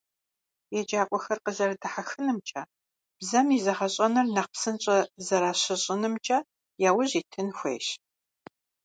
ЕджакӀуэхэр къэзэрыдэхьэхынымкӀэ, бзэм и зэгъэщӀэныр нэхъ псынщӀэ зэращыщӀынымкӀэ яужь итын хуейщ.